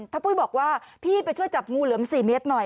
ถ้าปุ้ยบอกว่าพี่ไปช่วยจับงูเหลือม๔เมตรหน่อย